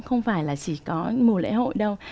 không phải là chỉ có mùa lễ hội đâu